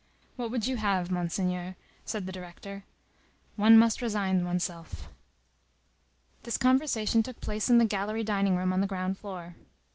"What would you have, Monseigneur?" said the director. "One must resign one's self." This conversation took place in the gallery dining room on the ground floor.